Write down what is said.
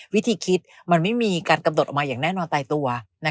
วิธีคิดมันไม่มีการกำหนดออกมาอย่างแน่นอนตายตัว